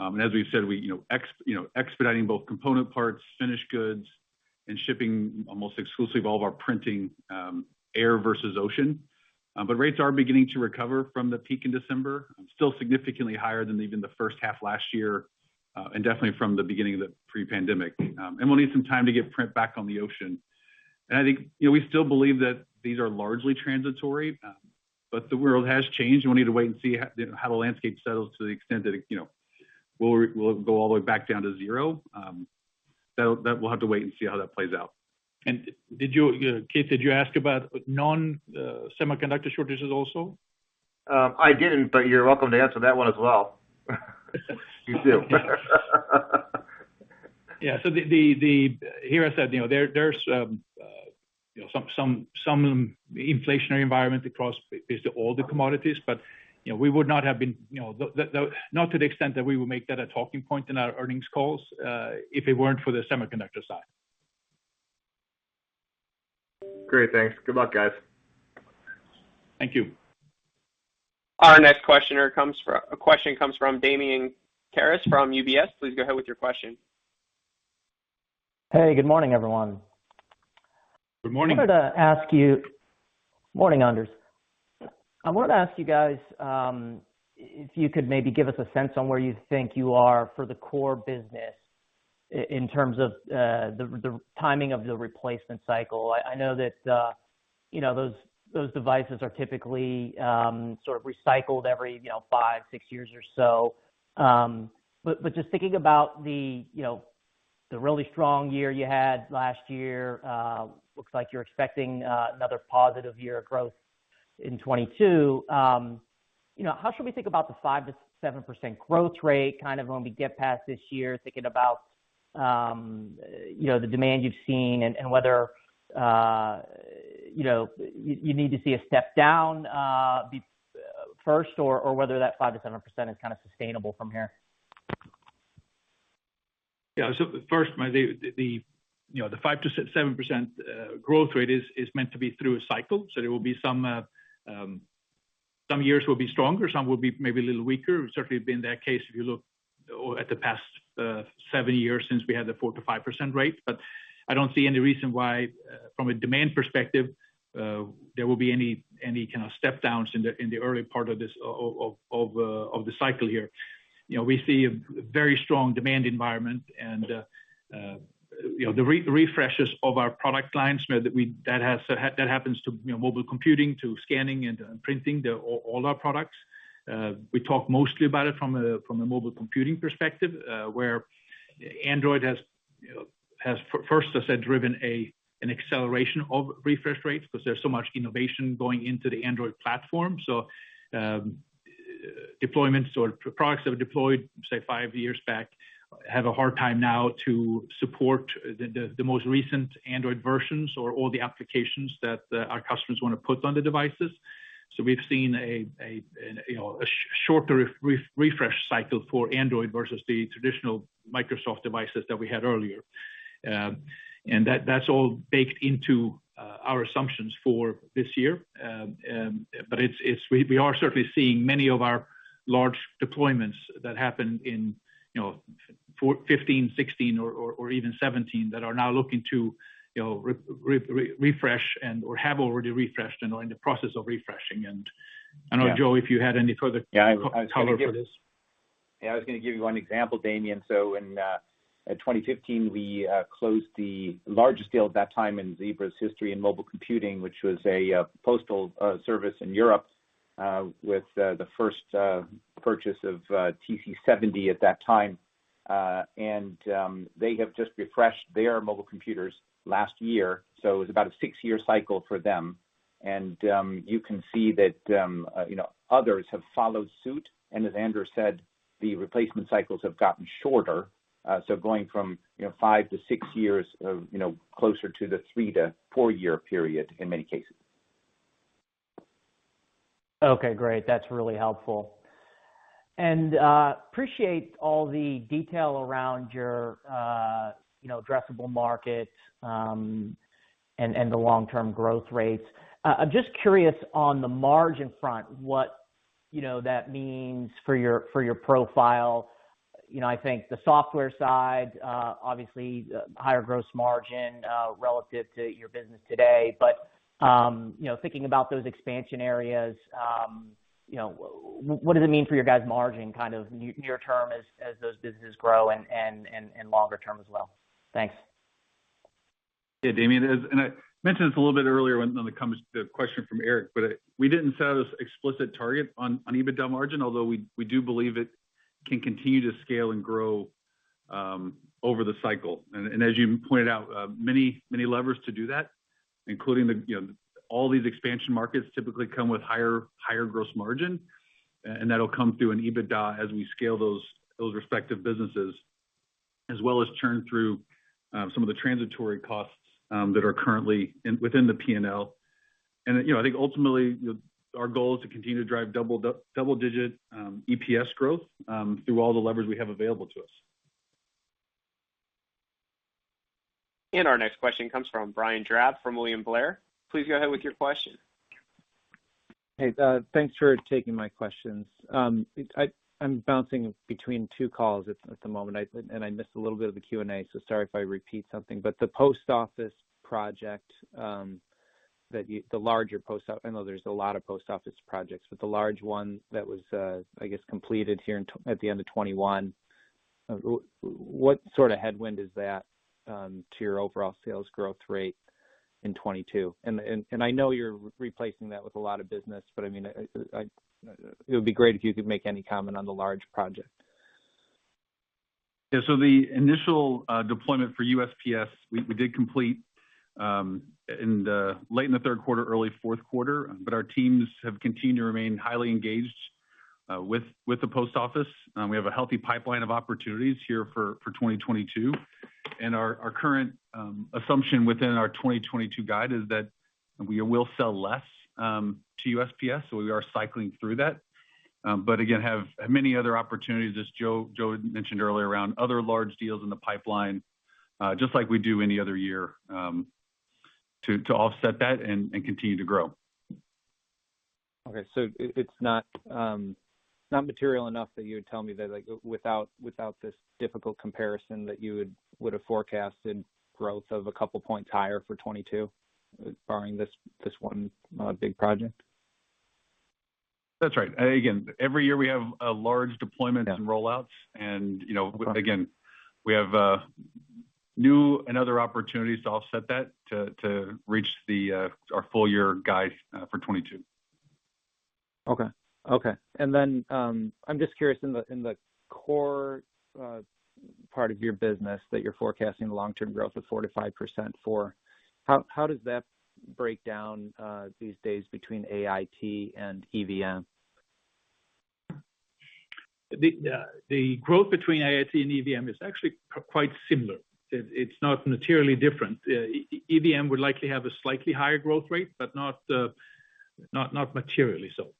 As we've said, we, you know, expediting both component parts, finished goods, and shipping almost exclusively all of our printing air versus ocean. Rates are beginning to recover from the peak in December. Still significantly higher than even the first half last year, and definitely from the beginning of the pre-pandemic. We'll need some time to get print back on the ocean. I think, you know, we still believe that these are largely transitory, but the world has changed, and we need to wait and see how the landscape settles to the extent that it, you know, will go all the way back down to zero. That we'll have to wait and see how that plays out. Did you, Keith, ask about non-semiconductor shortages also? I didn't, but you're welcome to answer that one as well. You too. Yeah. Here I said, you know, there's, you know, some inflationary environment across basically all the commodities, but, you know, we would not have been, you know, not to the extent that we would make that a talking point in our earnings calls, if it weren't for the semiconductor side. Great. Thanks. Good luck, guys. Thank you. A question comes from Damian Karas from UBS. Please go ahead with your question. Hey, good morning, everyone. Good morning. Morning, Anders. I wanted to ask you guys if you could maybe give us a sense on where you think you are for the core business in terms of the timing of the replacement cycle. I know that you know those devices are typically sort of recycled every you know five, six years or so. Just thinking about the you know the really strong year you had last year, looks like you're expecting another positive year of growth in 2022. You know, how should we think about the 5%-7% growth rate, kind of when we get past this year, thinking about, you know, the demand you've seen and whether you need to see a step down before or whether that 5%-7% is kind of sustainable from here? Yeah. First, the 5%-7% growth rate is meant to be through a cycle. There will be some years will be stronger, some will be maybe a little weaker. It's certainly been that case if you look at the past seven years since we had the 4%-5% rate. I don't see any reason why from a demand perspective there will be any kind of step downs in the early part of this of the cycle here. You know, we see a very strong demand environment and, you know, the refreshes of our product lines that happens to mobile computing, to scanning and printing, all our products. We talk mostly about it from a mobile computing perspective, where Android has first, as I said, driven an acceleration of refresh rates because there's so much innovation going into the Android platform. Deployments or products that were deployed, say, five years back, have a hard time now to support the most recent Android versions or all the applications that our customers want to put on the devices. We've seen a, you know, a shorter refresh cycle for Android versus the traditional Microsoft devices that we had earlier. That's all baked into our assumptions for this year. It's. We are certainly seeing many of our large deployments that happened in, you know, for 2015, 2016 or even 2017 that are now looking to, you know, refresh and/or have already refreshed and are in the process of refreshing. I don't know, Joe, if you had any further color for this. Yeah, I was gonna give you one example, Damian. In 2015, we closed the largest deal at that time in Zebra's history in mobile computing, which was a postal service in Europe with the first purchase of TC70 at that time. They have just refreshed their mobile computers last year, so it was about a six-year cycle for them. You can see that, you know, others have followed suit. As Anders said, the replacement cycles have gotten shorter. Going from, you know, 5-6 years closer to the 3-4-year period in many cases. Okay, great. That's really helpful. I appreciate all the detail around your addressable market and the long-term growth rates. I'm just curious on the margin front, what that means for your profile. I think the software side obviously higher gross margin relative to your business today. Thinking about those expansion areas, what does it mean for your guys' margin kind of near-term as those businesses grow and longer term as well? Thanks. Damian, I mentioned this a little bit earlier when it comes to the question from Erik, but we didn't set an explicit target on EBITDA margin, although we do believe it can continue to scale and grow over the cycle. As you pointed out, many levers to do that, including the, you know, all these expansion markets typically come with higher gross margin, and that'll come through in EBITDA as we scale those respective businesses, as well as turn through some of the transitory costs that are currently within the P&L. You know, I think ultimately, our goal is to continue to drive double-digit EPS growth through all the levers we have available to us. Our next question comes from Brian Drab from William Blair. Please go ahead with your question. Hey, thanks for taking my questions. I'm bouncing between two calls at the moment. I missed a little bit of the Q&A, so sorry if I repeat something. The post office project that you the larger post office, I know there's a lot of post office projects, but the large one that was, I guess, completed here at the end of 2021, what sort of headwind is that to your overall sales growth rate in 2022? I know you're replacing that with a lot of business, but I mean, it would be great if you could make any comment on the large project. Yeah. The initial deployment for USPS we did complete in the late third quarter, early fourth quarter. Our teams have continued to remain highly engaged with the post office. We have a healthy pipeline of opportunities here for 2022. Our current assumption within our 2022 guide is that we will sell less to USPS. We are cycling through that. Again, have many other opportunities, as Joe mentioned earlier, around other large deals in the pipeline, just like we do any other year, to offset that and continue to grow. Okay. It's not material enough that you would tell me that, like, without this difficult comparison, that you would have forecasted growth of a couple points higher for 2022 barring this one big project? That's right. Again, every year we have large deployments and rollouts. Yeah. You know, again, we have new and other opportunities to offset that to reach our full year guide for 2022. I'm just curious in the core part of your business that you're forecasting long-term growth of 4%-5% for, how does that break down these days between AIT and EVM? The growth between AIT and EVM is actually quite similar. It's not materially different. EVM would likely have a slightly higher growth rate, but not materially so.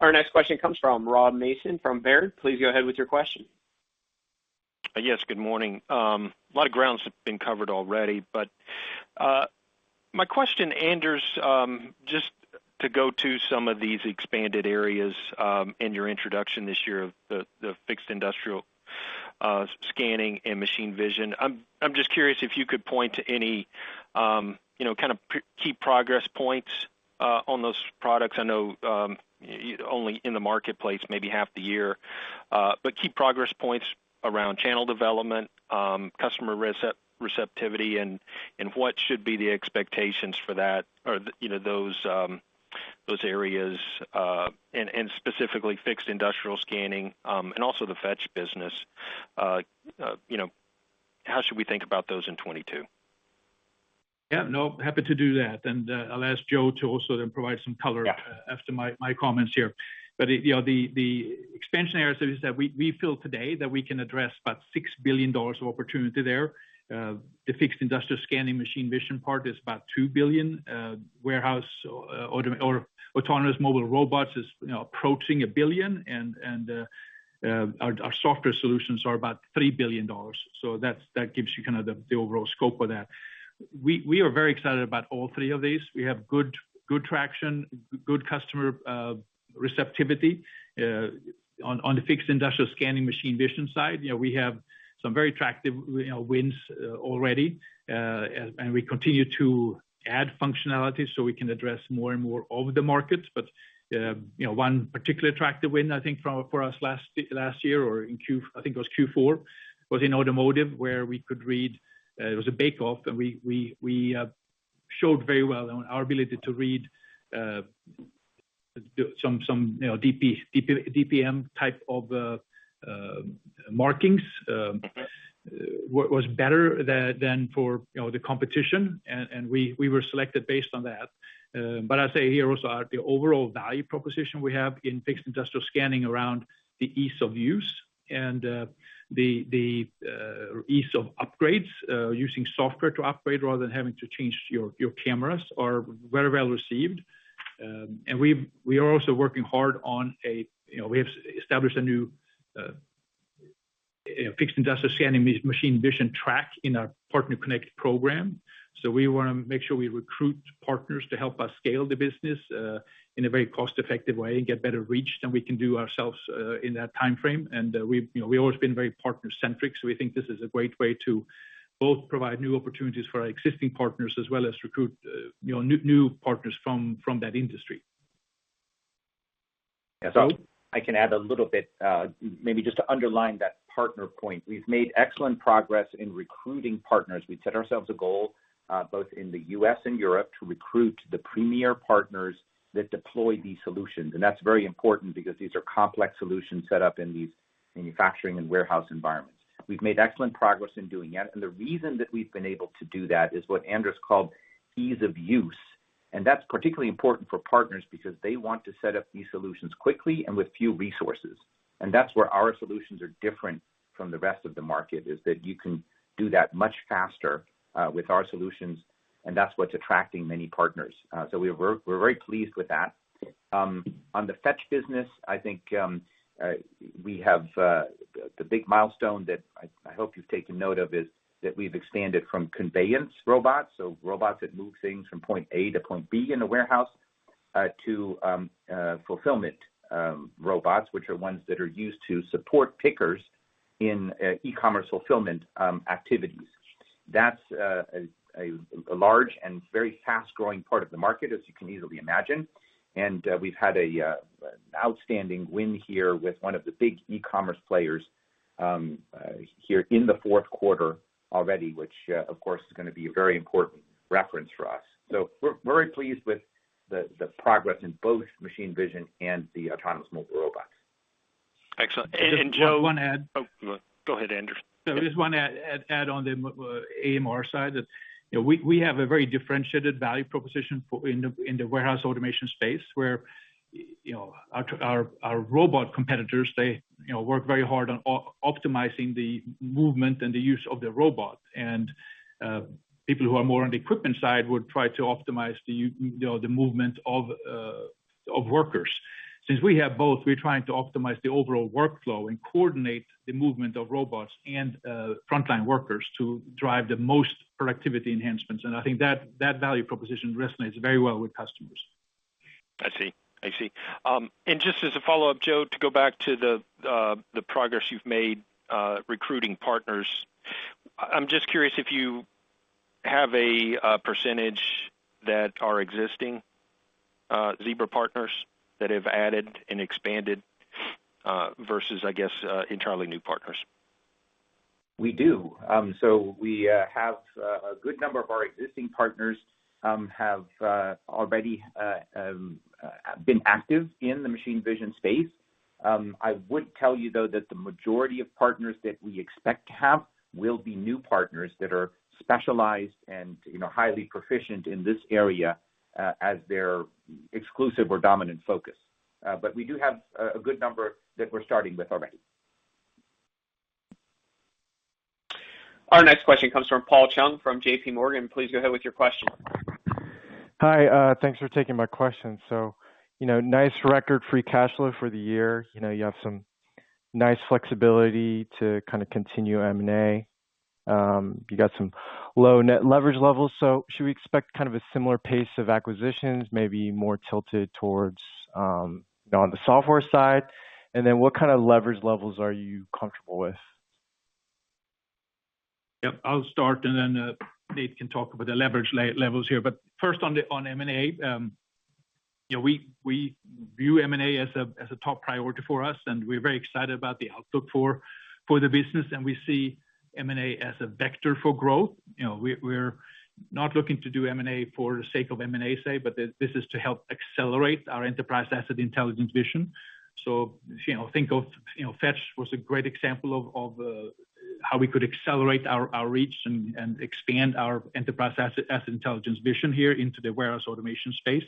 Our next question comes from Rob Mason from Baird. Please go ahead with your question. Yes, good morning. A lot of ground's been covered already, but my question, Anders, just to go to some of these expanded areas, in your introduction this year of the fixed industrial scanning and machine vision. I'm just curious if you could point to any, you know, kind of key progress points on those products. I know only in the marketplace, maybe half the year. Key progress points around channel development, customer receptivity and what should be the expectations for that or, you know, those areas, and specifically fixed industrial scanning, and also the Fetch business. You know, how should we think about those in 2022? Yeah, no, happy to do that. I'll ask Joe to also then provide some color. Yeah. After my comments here. You know, the expansion areas is that we feel today that we can address about $6 billion of opportunity there. The fixed industrial scanning machine vision part is about $2 billion. Warehouse autonomous mobile robots is, you know, approaching $1 billion. Our software solutions are about $3 billion. So that gives you kind of the overall scope of that. We are very excited about all three of these. We have good traction, good customer receptivity on the fixed industrial scanning machine vision side. You know, we have some very attractive wins already. And we continue to add functionality so we can address more and more of the markets. You know, one particular attractive win I think for us last year or in Q4 was in automotive, where we could read. It was a bake-off, and we showed very well on our ability to read some you know DPM type of markings was better than for you know the competition. We were selected based on that. I'd say here was our overall value proposition we have in fixed industrial scanning around the ease of use and the ease of upgrades using software to upgrade rather than having to change your cameras are very well received. We are also working hard on, you know, we have established a new fixed industrial scanning machine vision track in our PartnerConnect program. We wanna make sure we recruit partners to help us scale the business in a very cost-effective way and get better reach than we can do ourselves in that timeframe. We've, you know, we've always been very partner-centric, so we think this is a great way to both provide new opportunities for our existing partners as well as recruit, you know, new partners from that industry. Yeah, so- Joe? I can add a little bit, maybe just to underline that partner point. We've made excellent progress in recruiting partners. We've set ourselves a goal, both in the U.S. and Europe, to recruit the premier partners that deploy these solutions. That's very important because these are complex solutions set up in these manufacturing and warehouse environments. We've made excellent progress in doing that. The reason that we've been able to do that is what Anders called ease of use, and that's particularly important for partners because they want to set up these solutions quickly and with few resources. That's where our solutions are different from the rest of the market, is that you can do that much faster, with our solutions, and that's what's attracting many partners. We're very pleased with that. On the Fetch business, I think we have the big milestone that I hope you've taken note of is that we've expanded from conveyance robots, so robots that move things from point A to point B in a warehouse to fulfillment robots, which are ones that are used to support pickers in e-commerce fulfillment activities. That's a large and very fast-growing part of the market, as you can easily imagine. We've had an outstanding win here with one of the big e-commerce players here in the fourth quarter already, which of course is gonna be a very important reference for us. We're very pleased with the progress in both machine vision and the autonomous mobile robots. Excellent. Joe. Just one add. Oh, go ahead, Anders. I just wanna add on the AMR side that we have a very differentiated value proposition for in the warehouse automation space, where our robot competitors work very hard on optimizing the movement and the use of the robot. People who are more on the equipment side would try to optimize the movement of workers. Since we have both, we're trying to optimize the overall workflow and coordinate the movement of robots and frontline workers to drive the most productivity enhancements. I think that value proposition resonates very well with customers. I see. Just as a follow-up, Joe, to go back to the progress you've made recruiting partners. I'm just curious if you have a percentage that are existing Zebra partners that have added and expanded versus, I guess, entirely new partners. We do. We have a good number of our existing partners have already been active in the machine vision space. I would tell you, though, that the majority of partners that we expect to have will be new partners that are specialized and, you know, highly proficient in this area as their exclusive or dominant focus. We do have a good number that we're starting with already. Our next question comes from Paul Chung from JP Morgan. Please go ahead with your question. Hi. Thanks for taking my question. Nice record free cash flow for the year. You have some nice flexibility to kind of continue M&A. You got some low net leverage levels, so should we expect kind of a similar pace of acquisitions, maybe more tilted towards, you know, on the software side? What kind of leverage levels are you comfortable with? Yep, I'll start, and then Dave can talk about the leverage levels here. First on the M&A, you know, we view M&A as a top priority for us, and we're very excited about the outlook for the business, and we see M&A as a vector for growth. You know, we're not looking to do M&A for the sake of M&A, say, but this is to help accelerate our Enterprise Asset Intelligence vision. You know, think of, you know, Fetch was a great example of how we could accelerate our reach and expand our Enterprise Asset Intelligence vision here into the warehouse automation space.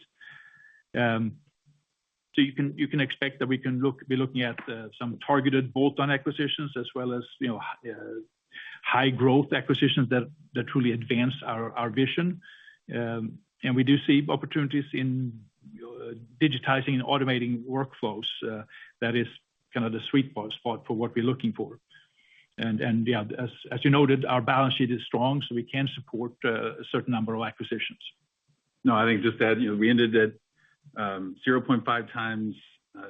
You can expect that we can look. be looking at some targeted bolt-on acquisitions as well as, you know, high growth acquisitions that truly advance our vision. We do see opportunities in digitizing and automating workflows. That is kind of the sweet spot for what we're looking for. Yeah, as you noted, our balance sheet is strong, so we can support a certain number of acquisitions. No, I think just that, you know, we ended at 0.5x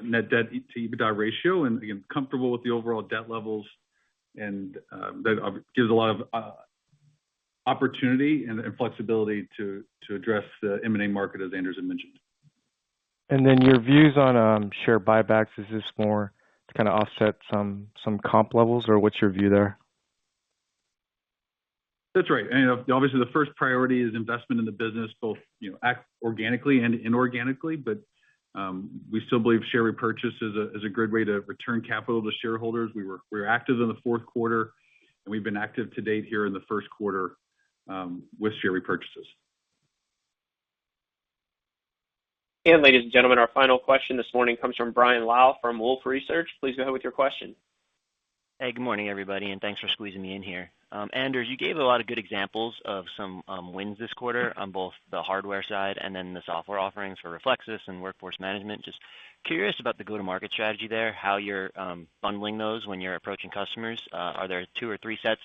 net debt to EBITDA ratio, and, again, comfortable with the overall debt levels. That gives a lot of opportunity and flexibility to address the M&A market, as Anders has mentioned. Your views on share buybacks, is this more to kind of offset some comp levels, or what's your view there? That's right. You know, obviously the first priority is investment in the business, both, you know, organically and inorganically. We still believe share repurchase is a good way to return capital to shareholders. We were active in the fourth quarter, and we've been active to date here in the first quarter with share repurchases. Ladies and gentlemen, our final question this morning comes from Brian Lau from Wolfe Research. Please go ahead with your question. Hey, good morning, everybody, and thanks for squeezing me in here. Anders, you gave a lot of good examples of some wins this quarter on both the hardware side and then the software offerings for Reflexis and Workforce Management. Just curious about the go-to-market strategy there, how you're bundling those when you're approaching customers. Are there two or three sets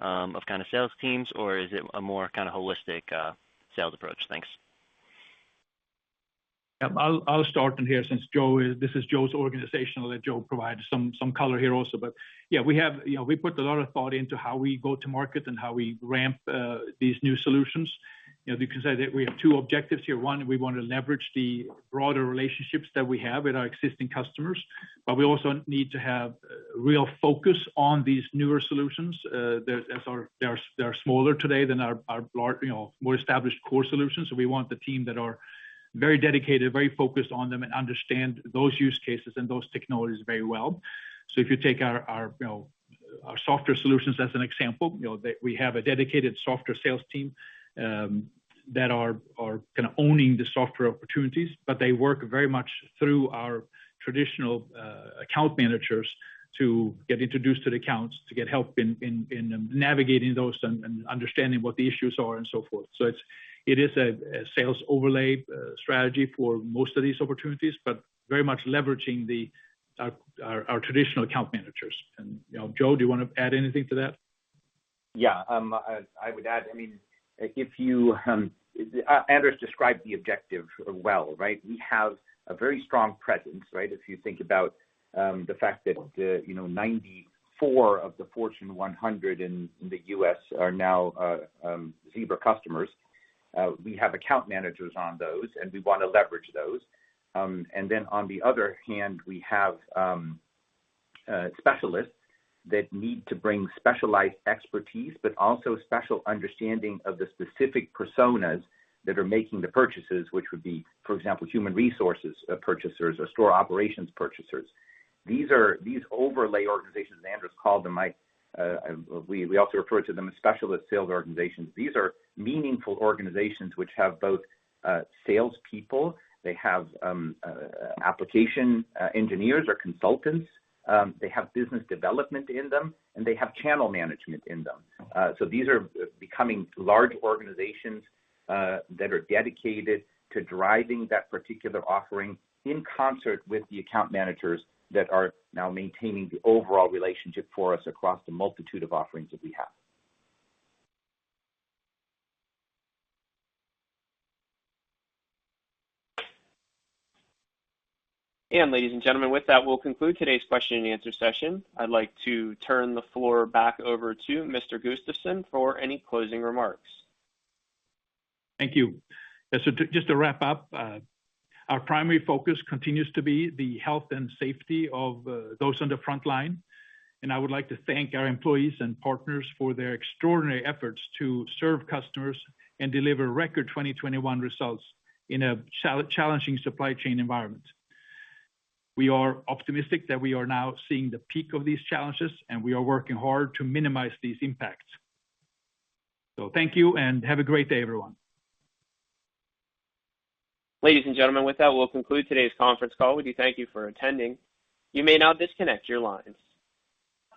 of kind of sales teams, or is it a more kind of holistic sales approach? Thanks. Yeah. I'll start here since this is Joe's organization. I'll let Joe provide some color here also. Yeah, we have put a lot of thought into how we go to market and how we ramp these new solutions. You know, you can say that we have two objectives here. One, we want to leverage the broader relationships that we have with our existing customers, but we also need to have real focus on these newer solutions that are smaller today than our large, you know, more established core solutions. We want the team that are very dedicated, very focused on them, and understand those use cases and those technologies very well. If you take our, you know, our software solutions as an example, you know, they We have a dedicated software sales team that are kind of owning the software opportunities, but they work very much through our traditional account managers to get introduced to the accounts, to get help in navigating those and understanding what the issues are and so forth. It's a sales overlay strategy for most of these opportunities, but very much leveraging our traditional account managers. You know, Joe, do you wanna add anything to that? I would add, I mean, if you, as Anders described the objective well, right? We have a very strong presence, right? If you think about the fact that, you know, 94 of the Fortune 100 in the U.S. are now Zebra customers. We have account managers on those, and we wanna leverage those. On the other hand, we have specialists that need to bring specialized expertise, but also special understanding of the specific personas that are making the purchases, which would be, for example, human resources purchasers or store operations purchasers. These are overlay organizations, as Anders called them. We also refer to them as specialist sales organizations. These are meaningful organizations which have both salespeople. They have application engineers or consultants. They have business development in them, and they have channel management in them. These are becoming large organizations that are dedicated to driving that particular offering in concert with the account managers that are now maintaining the overall relationship for us across the multitude of offerings that we have. Ladies and gentlemen, with that, we'll conclude today's question and answer session. I'd like to turn the floor back over to Mr. Gustafsson for any closing remarks. Thank you. Yeah, just to wrap up, our primary focus continues to be the health and safety of those on the front line, and I would like to thank our employees and partners for their extraordinary efforts to serve customers and deliver record 2021 results in a challenging supply chain environment. We are optimistic that we are now seeing the peak of these challenges, and we are working hard to minimize these impacts. Thank you and have a great day, everyone. Ladies and gentlemen, with that, we'll conclude today's conference call. We do thank you for attending. You may now disconnect your lines.